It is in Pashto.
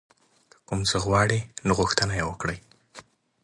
که کوم څه غواړئ نو غوښتنه یې وکړئ.